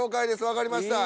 わかりました。